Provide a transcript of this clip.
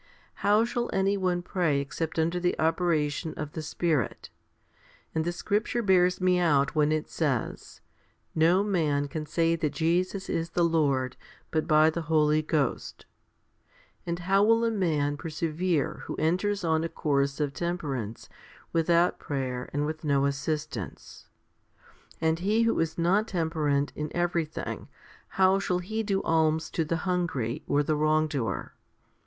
How shall any one pray except under the operation of the Spirit ? And the scripture bears me out when it says, No man can say that Jesus is the Lord, but by the Holy Ghost. 4 ' And how will a man perse vere who enters on a course of temperance without prayer 1 Rom. xi. 5. z Gal. iii. 2. 8 I Cor. xiv. 19. 4 i Cor. xii. 5. HOMILY XXXVII 255 and with no assistance ? And he who is not temperate in everything, how shall he do alms to the hungry or the wrongdoer